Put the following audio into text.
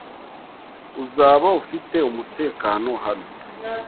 Uzaba ufite umutekano hano.